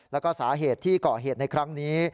แล้วก็สาเหตุที่ก่อเหตุในครั้งนี้